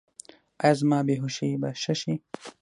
ایا زما بې هوښي به ښه شي؟